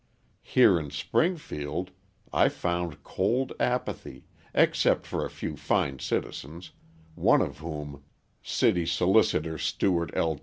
Here in Springfield, I found cold apathy, except for a few fine citizens, one of whom, City Solicitor Stewart L.